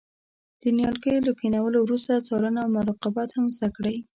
د نیالګیو له کینولو وروسته څارنه او مراقبت هم زده کړئ.